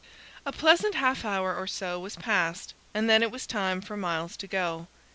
A pleasant half hour or so was passed, and then it was time for Myles to go.